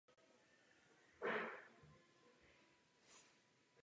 To je předpokládané řešení paradoxu ohnivé stěny.